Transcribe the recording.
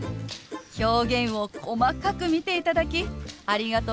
表現を細かく見ていただきありがとうございます。